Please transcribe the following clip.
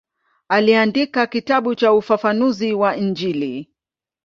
Aliandika kitabu cha ufafanuzi wa Injili.